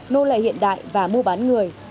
nô lệ hiện đại và mua bán người